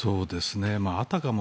あたかも